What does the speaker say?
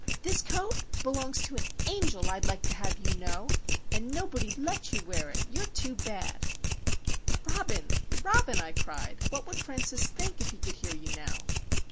"This coat belongs to an Angel, I'd like to have you know! And nobody'd let you wear it,—you're too bad!" "Robin! Robin!" I cried. "What would Francis think if he could hear you now?"